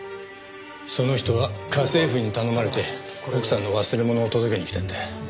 その人は家政婦に頼まれて奥さんの忘れ物を届けに来たんだ。